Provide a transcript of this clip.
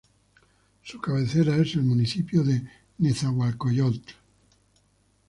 Su cabecera es el Municipio de Nezahualcoyotl.